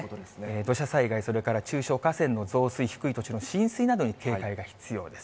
土砂災害、それから中小河川の増水、低い土地の浸水などに警戒が必要です。